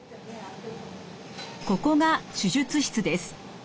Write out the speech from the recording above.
ここが手術室です。